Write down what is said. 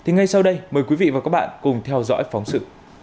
ngay sau đây mời quý vị và các bạn cùng theo dõi phóng sự